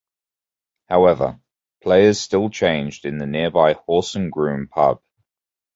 However, players still changed in the nearby Horse and Groom pub.